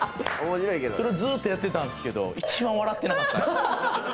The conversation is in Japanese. それをずっとやってたんですけど、一番笑ってなかった。